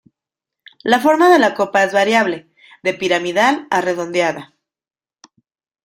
La forma de la copa es variable, de piramidal a redondeada.